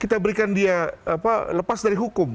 kita berikan dia lepas dari hukum